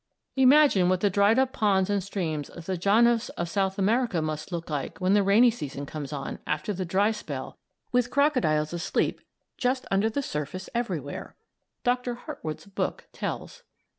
Imagine what the dried up ponds and streams of the llanos of South America must look like when the rainy season comes on, after the dry spell, with crocodiles asleep just under the surface everywhere. Doctor Hartwig's book tells.